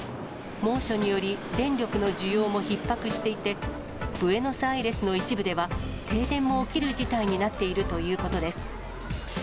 猛暑により、電力の需要もひっ迫していて、ブエノスアイレスの一部では、停電も起きる事態になっているということです。